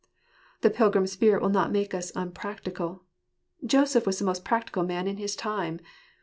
The pilgrim spirit will not make us unpractical. Joseph was the most practical man in his time.